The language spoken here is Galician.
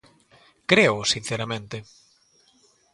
Créoo sinceramente.